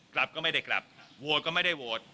กลับก็ไม่ได้กลับโหวตก็ไม่ได้โหวต